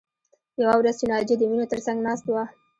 یوه ورځ چې ناجیه د مینې تر څنګ ناسته وه